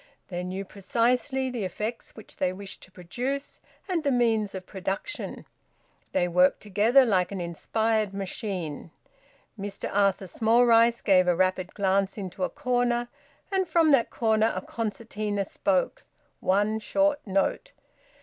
They knew precisely the effects which they wished to produce, and the means of production. They worked together like an inspired machine. Mr Arthur Smallrice gave a rapid glance into a corner, and from that corner a concertina spoke one short note.